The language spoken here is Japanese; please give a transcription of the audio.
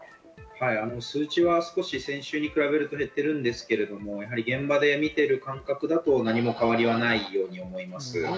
数値は先週に比べると減ってるんですけれど、現場で見てる感覚だと何も変わりはないように思います。